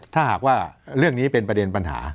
ถ้าหากว่าเรื่องนี้เป็นประเด็นปัญหา